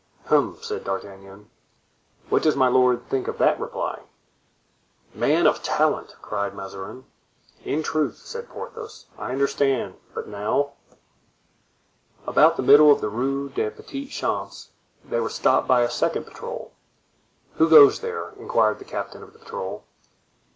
"Hem!" said D'Artagnan, "what does my lord think of that reply?" "Man of talent!" cried Mazarin. "In truth," said Porthos, "I understand; but now——" About the middle of the Rue des Petits Champs they were stopped by a second patrol. "Who goes there?" inquired the captain of the patrol.